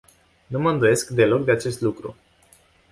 Nu mă îndoiesc deloc de acest lucru.